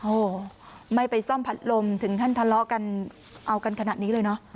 โอ้โหไม่ไปซ่อมพัดลมถึงขั้นทะเลาะกันเอากันขนาดนี้เลยเนอะ